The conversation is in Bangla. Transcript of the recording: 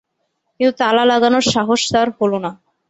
কিন্তু তালা লাগানোর সাহস তাঁর হলো না।